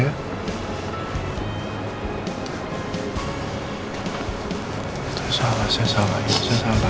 itu salah saya salah